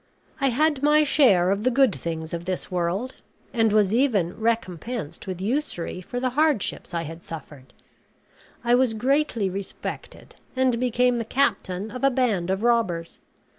I had my share of the good things of this world; and was even recompensed with usury for the hardships I had suffered. I was greatly respected, and became the captain of a band of robbers.